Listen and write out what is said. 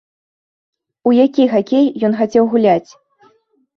У які хакей ён хацеў гуляць?